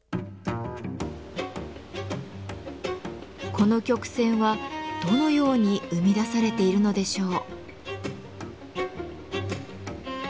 この曲線はどのように生み出されているのでしょう？